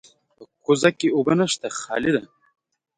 په کوزه کې اوبه نشته، خالي ده.